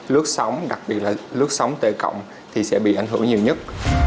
lướt sóng đặc biệt là lướt sóng tệ cộng thì sẽ bị ảnh hưởng nhiều nhất